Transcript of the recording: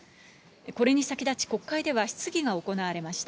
これに先立ち国会では、質疑が行われました。